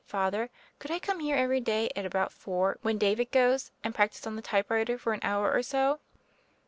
Father; could I come here every day at about four when David goes, and practise on the typewriter for an hour or so?"